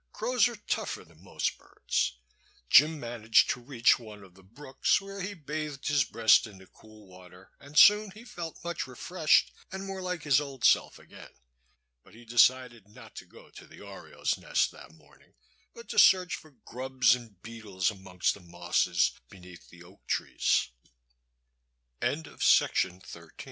Crows are tougher than most birds. Jim managed to reach one of the brooks, where he bathed his breast in the cool water, and soon he felt much refreshed and more like his old self again. But he decided not to go to the oriole's nest that morning, but to search for grabs and beetles amongst the mosses beneath the oak trees. Chapter VI Jim Crow Fools the Policeman FROM